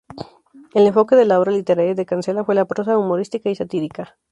El enfoque de la obra literaria de Cancela fue la prosa humorística y satírica.